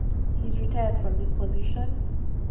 He is retired from this position.